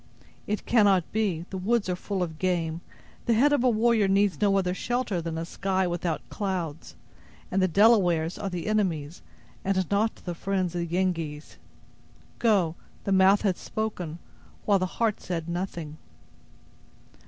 "It cannot be. The woods are full of game. The head of a warrior needs no other shelter than a sky without clouds; and the Delawares are the enemies, and not the friends of the Yengeese. Go, the mouth has spoken, while the heart said nothing."